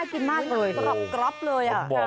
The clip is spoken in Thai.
หมาอยากกินด้วย